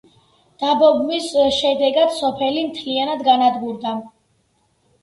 დაბომბვის შედეგად სოფელი მთლიანად განადგურდა.